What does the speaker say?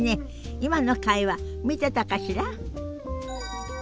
今の会話見てたかしら？